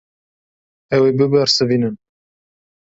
Ew ê bibersivînin.